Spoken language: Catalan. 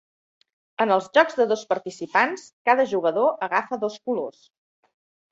En els jocs de dos participants, cada jugador agafa dos colors.